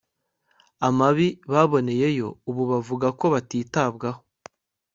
amabi baboneyeyo ubu bavuga ko batitabwaho